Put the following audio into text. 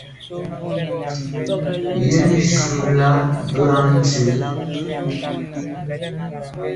Yen ju là be à ndù.